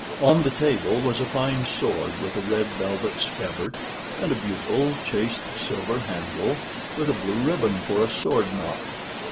On the table was a fine sword, with a red velvet scabbard, and a beautiful chased silver handle, with a blue ribbon for a sword knot.